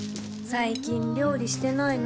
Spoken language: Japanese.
最近料理してないの？